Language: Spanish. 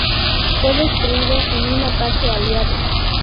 Fue destruido en un ataque aliado.